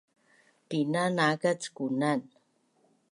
Tina naakac kunan